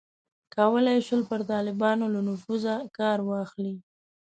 کولای یې شول پر طالبانو له نفوذه کار واخلي.